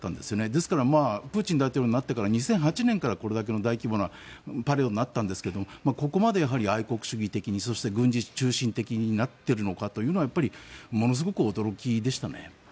ですからプーチン大統領になってから２００８年からこれだけの大規模なパレードになったんですがここまで愛国主義的にそして軍事中心的になっているのかというのはものすごく驚きでしたね。